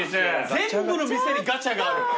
全部の店にガチャがある。